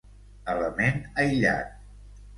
Element aïllat.